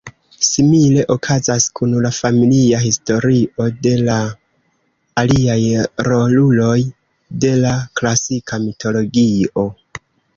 Simile okazas kun la "familia" historio de aliaj roluloj de la klasika mitologio.